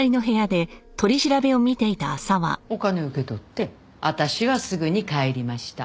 お金を受け取って私はすぐに帰りました。